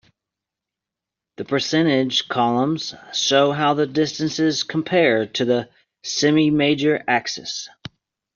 The percentage columns show how the distances compare to the semimajor axis.